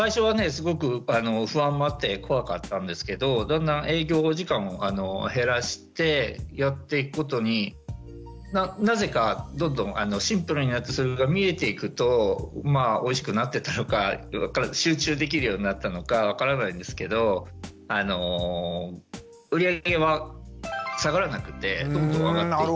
すごく不安もあって怖かったんですけどだんだん営業時間も減らしてやっていくことになぜかどんどんシンプルになってそれが見えていくとまあおいしくなってったのか集中できるようになったのか分からないんですけど売り上げは下がらなくてどんどん上がっていって。